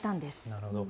なるほど。